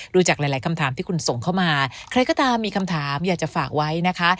จากหลายคำถามที่คุณส่งเข้ามาใครก็ตามมีคำถามอยากจะฝากไว้นะคะ